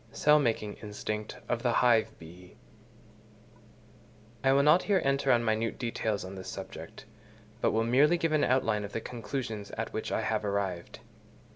Cell making instinct of the Hive Bee.—I will not here enter on minute details on this subject, but will merely give an outline of the conclusions at which I have arrived.